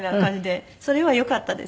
それはよかったです。